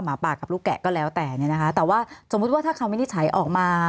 หมาปากกับลูกแกะก็แล้วแต่แต่ว่าสมมุติว่าถ้าคำวินิจฉัยออกมา